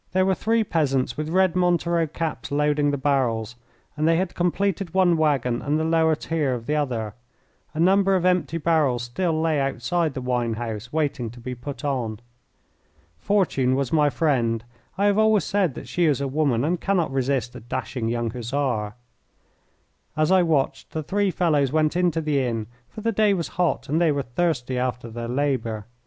There were three peasants with red montero caps loading the barrels, and they had completed one waggon and the lower tier of the other. A number of empty barrels still lay outside the wine house waiting to be put on. Fortune was my friend I have always said that she is a woman and cannot resist a dashing young Hussar. As I watched, the three fellows went into the inn, for the day was hot and they were thirsty after their labour.